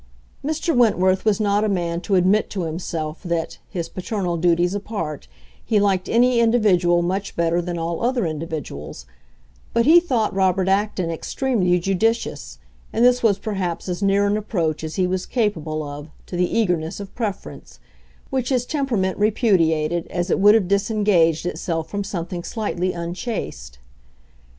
Mr. Wentworth was not a man to admit to himself that—his paternal duties apart—he liked any individual much better than all other individuals; but he thought Robert Acton extremely judicious; and this was perhaps as near an approach as he was capable of to the eagerness of preference, which his temperament repudiated as it would have disengaged itself from something slightly unchaste.